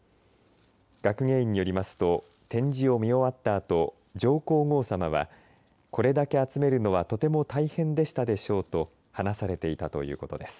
学芸員によりますと展示を見終わったあと上皇后さまはこれだけ集めるのはとても大変でしたでしょうと話されていたということです。